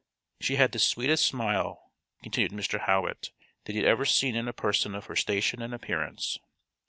She had the sweetest smile, continued Mr. Howitt, that he had ever seen in a person of her station and appearance.